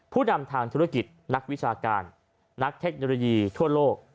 ผู้นำทางธุรกิจนักวิชาการนักเทคโนโลยีทั่วโลก